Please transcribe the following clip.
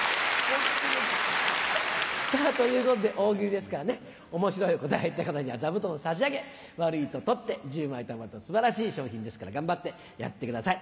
さぁということで大喜利ですからね面白い答えを言った方には座布団を差し上げ悪いと取って１０枚たまると素晴らしい賞品ですから頑張ってやってください！